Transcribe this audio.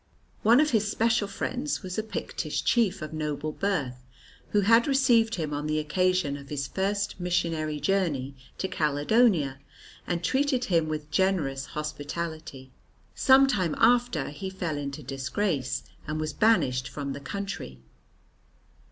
One of his special friends was a Pictish chief of noble birth who had received him on the occasion of his first missionary journey to Caledonia and treated him with generous hospitality. Some time after he fell into disgrace and was banished from the country.